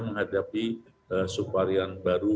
terhadap suku varian baru